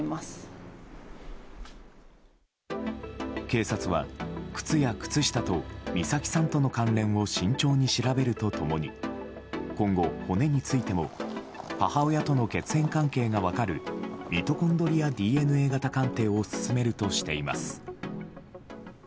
警察は靴や靴下と美咲さんとの関連を慎重に調べると共に今後、骨についても母親との血縁関係が分かるミトコンドリアＤＮＡ型鑑定を進めるとしています。